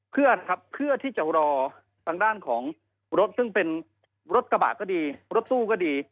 เพื่อครับเพื่อที่จะรอทางด้านของรถซึ่งเป็นรถกระบะก็ดีรถตู้ก็ดี